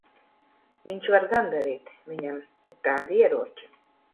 Viņš var gan darīt. Viņam ir tādi ieroči.